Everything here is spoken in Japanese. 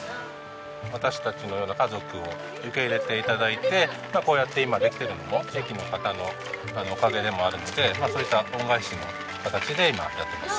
私たちのような家族を受け入れて頂いてこうやって今できてるのも地域の方のおかげでもあるのでそういった恩返しの形で今やってます。